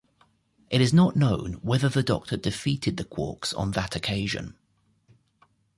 It is not known whether the Doctor defeated the Quarks on that occasion.